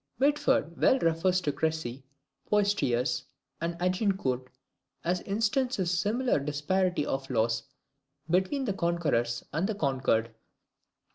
[Mitford well refers to Crecy, Poictiers, and Agincourt, as instances of similar disparity of loss between the conquerors and the conquered.